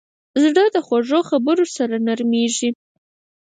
زړه د خوږو خبرو سره نرمېږي.